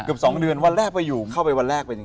สองเดือนวันแรกไปอยู่เข้าไปวันแรกเป็นยังไง